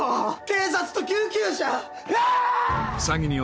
警察と救急車！